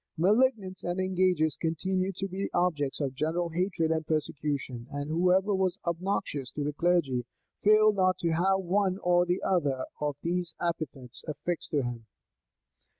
Malignants and engagers continued to be the objects of general hatred and persecution; and whoever was obnoxious to the clergy, failed not to have one or other of these epithets affixed to him.